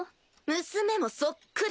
娘もそっくり。